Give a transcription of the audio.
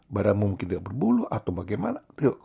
badanmu mungkin tidak berbulu atau bagaimana